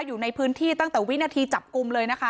อยู่ในพื้นที่ตั้งแต่วินาทีจับกลุ่มเลยนะคะ